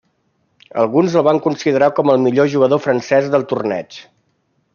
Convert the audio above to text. Alguns el van considerar com el millor jugador francès del Torneig.